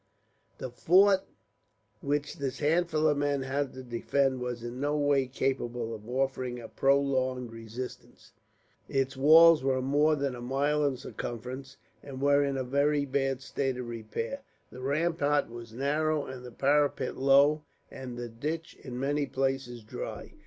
The fort which this handful of men had to defend was in no way capable of offering a prolonged resistance. Its walls were more than a mile in circumference, and were in a very bad state of repair. The rampart was narrow and the parapet low, and the ditch, in many places, dry.